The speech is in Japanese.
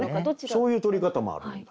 そういうとり方もある。